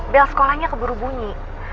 bel sekolahnya keburu bunyi